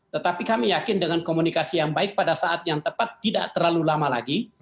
tetapi kami yakin dengan komunikasi yang baik pada saat yang tepat tidak terlalu lama lagi